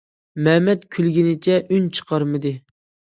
مەمەت كۈلگىنىچە ئۈن چىقارمىدى.